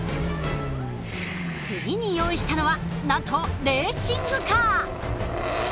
次に用意したのはなんとレーシングカー。